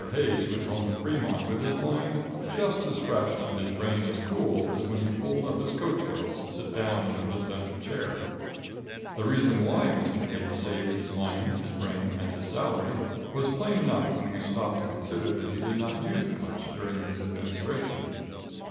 Hayes went home to Fremont with his mind just as fresh and his brain as cool as when he pulled up his coat tails to sit down in the presidential chair. The reason why Mr. Hayes saved his mind, his brain and his salary, was plain enough when we stop to consider that he did not use them much during his administration.